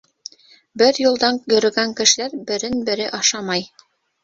Бер юлдан йөрөгән кешеләр берен-бере ашамай.